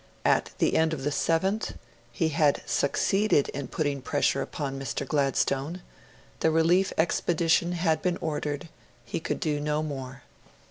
At the end of the seventh, he had succeeded in putting pressure upon Mr. Gladstone; the relief expedition had been ordered; he could do no more.